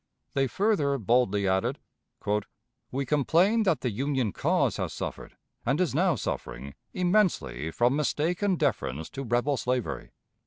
They further boldly added: "We complain that the Union cause has suffered, and is now suffering, immensely from mistaken deference to rebel slavery.